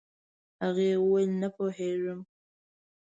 هغې وويل نه پوهيږم.